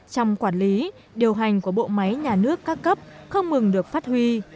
trong quản lý điều hành của bộ máy nhà nước ca cấp không mừng được phát huy